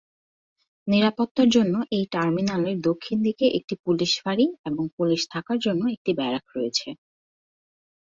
নিরাপত্তার জন্য এই টার্মিনালের দক্ষিণ দিকে একটি পুলিশ ফাঁড়ি এবং পুলিশ থাকার জন্য একটি ব্যারাক রয়েছে।